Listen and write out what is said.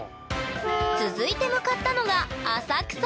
続いて向かったのが浅草！